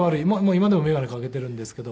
今でも眼鏡かけているんですけども。